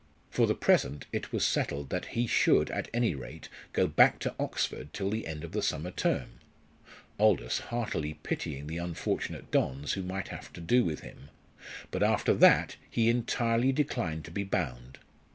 For the present it was settled that he should at any rate go back to Oxford till the end of the summer term Aldous heartily pitying the unfortunate dons who might have to do with him but after that he entirely declined to be bound.